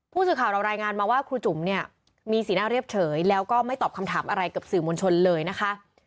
ผู้สื่อข่าวเรารายงานมาว่าครูจุ๋มเนี่ยมีสีหน้าเรียบเฉยแล้วก็ไม่ตอบคำถามอะไรกับสื่อมวลชนเลยนะคะ